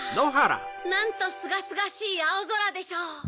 なんとすがすがしいあおぞらでしょう！